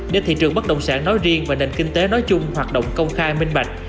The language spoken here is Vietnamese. để thị trường bất động sản nói riêng và nền kinh tế nói chung hoạt động công khai minh bạch